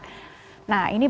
nah ini banyak sekali ya